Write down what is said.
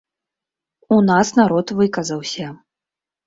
У нас народ выказаўся.